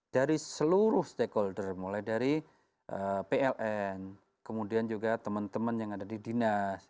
dari seluruh stakeholder mulai dari pln kemudian juga teman teman yang ada di dinas